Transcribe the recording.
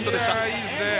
いいですね。